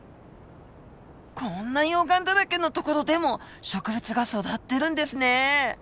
こんな溶岩だらけの所でも植物が育ってるんですね！